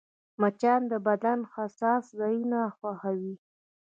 مچان د بدن حساس ځایونه خوښوي